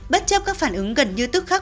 bất chấp các phản ứng gần như tức khắc